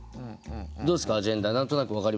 どうですか？